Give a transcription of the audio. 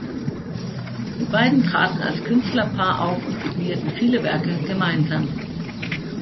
Die beiden traten als Künstlerpaar auf und signierten viele Werke gemeinsam.